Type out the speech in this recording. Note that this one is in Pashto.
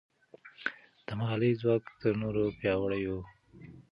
د ملالۍ ځواک تر نورو پیاوړی و.